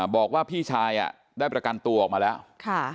บอกว่าพี่ชายได้ประกันตัวออกมาแล้ว